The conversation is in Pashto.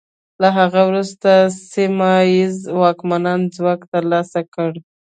له هغه وروسته سیمه ییزو واکمنانو ځواک ترلاسه کړ.